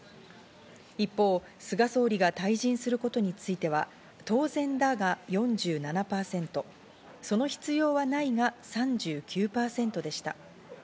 一方、菅総理が退陣することについては、当然だが４７％、その必要はないが３９％でした。